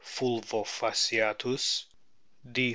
fulvofasciatus^ D.